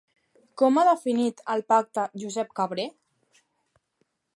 Com ha definit el pacte Josep Cabré?